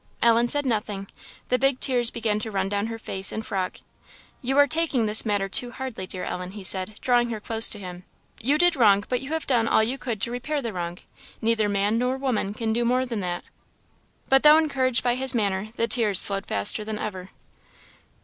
Ellen said nothing; the big tears began to run down her face and frock. "You are taking this matter too hardly, dear Ellen," he said, drawing her close to him; "you did wrong, but you have done all you could to repair the wrong neither man nor woman can do more than that." But though encouraged by his manner, the tears flowed faster than ever.